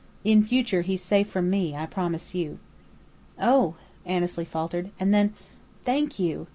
In future he's safe from me, I promise you." "Oh!" Annesley faltered. And then: "Thank you!"